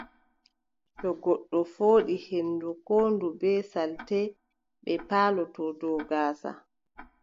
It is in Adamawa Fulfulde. To goɗɗo fooɗi henndu, koo ndu ɗon bee salte, ɗe palotoo dow gaasa.